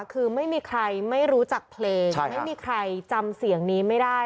คือไม่มีใครไม่รู้จักเพลงไม่มีใครจำเสียงนี้ไม่ได้